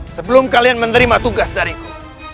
sebelum kalian menerima tugas dariku